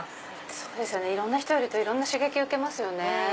そうですよねいろんな人いるといろんな刺激受けますよね。